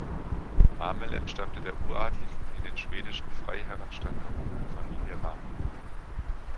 Ramel entstammte der uradligen, in den schwedischen Freiherrenstand erhobenen Familie Ramel.